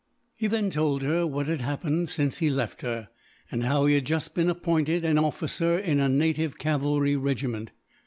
He then told her what had happened since he left her, and how he had just been appointed an officer in a native cavalry regiment.